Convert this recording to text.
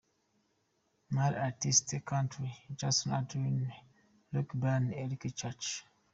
Male artist, country: Jason Aldean, Luke Bryan, Eric Church.